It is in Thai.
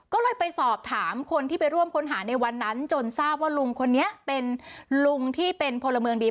ก็เลยไปสอบถามคนที่ไปร่วมค้นหาในวันนั้นจนทราบว่าลุงคนนี้เป็นลุงที่เป็นพลเมืองดี